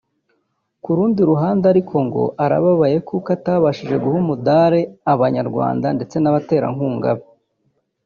Ku rundi ruhande ariko ngo arababaye kuko atabashije guha umudari Abanyarwanda ndetse n’abaterankunga be